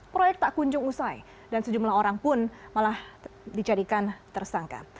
proyek tak kunjung usai dan sejumlah orang pun malah dijadikan tersangka